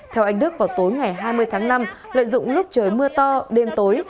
theo anh đức vào tối ngày hai mươi tháng năm lợi dụng lúc trời mưa to đêm tối